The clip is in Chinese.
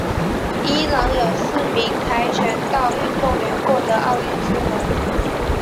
伊朗有四名跆拳道运动员获得奥运资格。